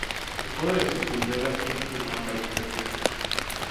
El fuero de Sepúlveda fue confirmado en varias ocasiones.